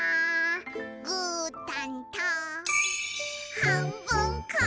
「ぐーたんとはんぶんこ！」